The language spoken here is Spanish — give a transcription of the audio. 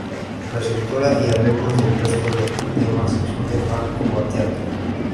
La escritura y arreglos del resto de temas son de Franco Battiato.